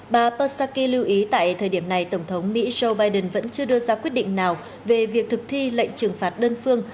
bà persaki lưu ý tại thời điểm này tổng thống mỹ joe biden vẫn chưa đưa ra quyết định nào về việc thực thi lệnh trừng phạt đơn phương